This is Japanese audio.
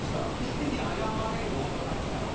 いや謝れる大人になろう。